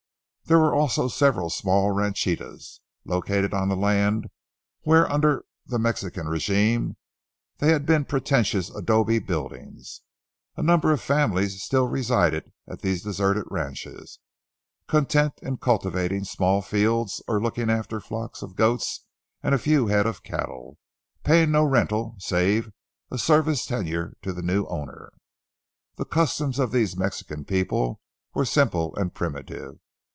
There were also several small ranchites located on the land, where, under the Mexican régime, there had been pretentious adobe buildings. A number of families still resided at these deserted ranches, content in cultivating small fields or looking after flocks of goats and a few head of cattle, paying no rental save a service tenure to the new owner. The customs of these Mexican people were simple and primitive.